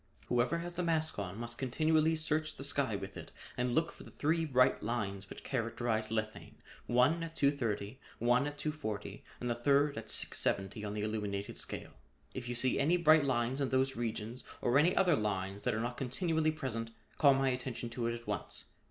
Whoever has the mask on must continually search the sky with it and look for the three bright lines which characterize lethane, one at 230, one at 240 and the third at 670 on the illuminated scale. If you see any bright lines in those regions or any other lines that are not continually present, call my attention to it at once.